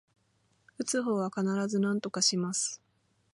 打つ方は必ずなんとかします